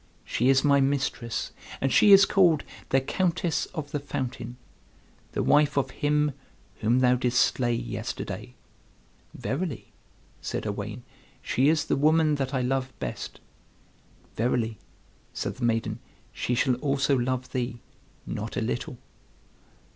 She is my mistress, and she is called the Countess of the Fountain, the wife of him whom thou didst slay yesterday." "Verily," said Owain, "she is the woman that I love best." "Verily," said the maiden, "she shall also love thee, not a little."